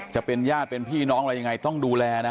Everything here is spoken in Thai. จะเป็นญาติเป็นพี่น้องจะต้องดูแลนะฮะ